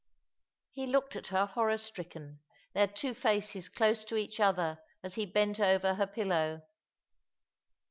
He looked at her horror stricken, their two faces close to each other as he bent over her pillow.